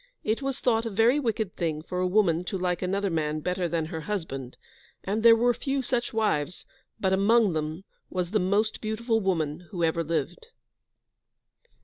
It was thought a very wicked thing for a woman to like another man better than her husband, and there were few such wives, but among them was the most beautiful woman who ever lived.